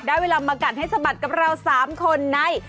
เวลามากัดให้สะบัดกับเรา๓คนใน